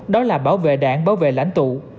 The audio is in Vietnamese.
đó là bảo vệ đảng bảo vệ lãnh tụ